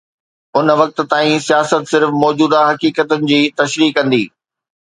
ان وقت تائين سياست صرف موجوده حقيقتن جي تشريح ڪندي.